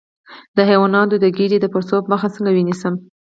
د حیواناتو د ګیډې د پړسوب مخه څنګه ونیسم؟